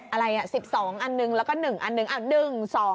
อะไร๑๒อันหนึ่งแล้วก็๑อันหนึ่ง